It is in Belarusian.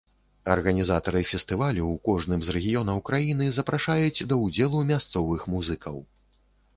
Арганізатары фестывалю ў кожным з рэгіёнаў краіны запрашаюць да ўдзелу мясцовых музыкаў.